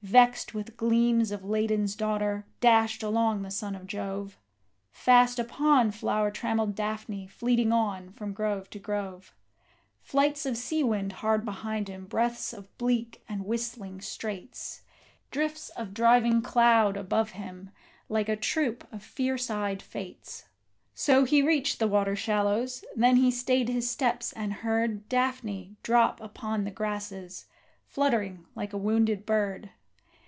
Vext with gleams of Ladon's daughter, dashed along the son of Jove, Fast upon flower trammelled Daphne fleeting on from grove to grove; Flights of seawind hard behind him, breaths of bleak and whistling straits; Drifts of driving cloud above him, like a troop of fierce eyed Fates! So he reached the water shallows; then he stayed his steps, and heard Daphne drop upon the grasses, fluttering like a wounded bird.